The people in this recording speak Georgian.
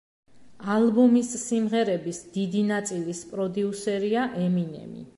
ალბომის სიმღერების დიდი ნაწილის პროდიუსერია ემინემი.